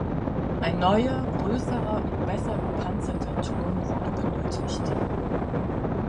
Ein neuer, größerer und besser gepanzerter Turm wurde benötigt.